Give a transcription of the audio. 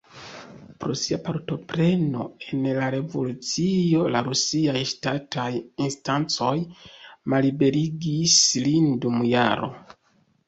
Pro sia partopreno en la revolucio la rusiaj ŝtataj instancoj malliberigis lin dum jaro.